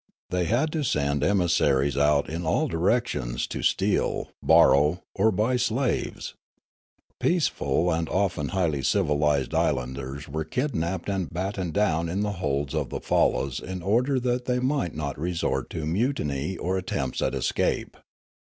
They had to send emis saries out in all directions to steal, borrow, or buy slaves. Peaceful and often highly civilised islanders Noola 399 were kidnapped and battened down in the holds of the fallas in order that they might not resort to mutiny or attempts at escape.